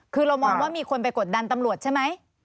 คือเรามองว่ามีคนไปกดดันตำรวจใช่ไหม